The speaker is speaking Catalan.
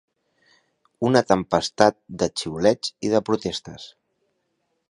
Una tempestat de xiulets i de protestes.